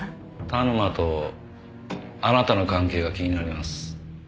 田沼とあなたの関係が気になります。